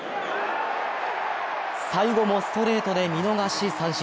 最後もストレートで見逃し三振。